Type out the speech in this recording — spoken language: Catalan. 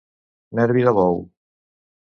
Nervi de bou.